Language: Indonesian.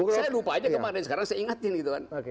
saya lupa aja kemarin sekarang saya ingetin gitu kan